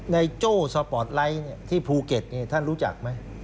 โจ้สปอร์ตไลท์ที่ภูเก็ตท่านรู้จักไหม